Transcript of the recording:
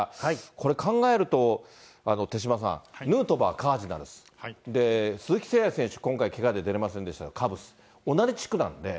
これ、考えると、手嶋さん、ヌートバー、カージナルス、鈴木誠也選手、今回、けがで出れませんでしたが、カブス、同じ地区なんで。